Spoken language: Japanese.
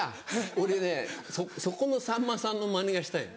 俺ねそこもさんまさんのマネがしたいの。